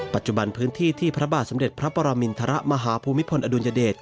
ปัจจุบันพื้นที่ที่พระบาทสมเด็จพระปรมินทรมาฮภูมิพลอดุลยเดช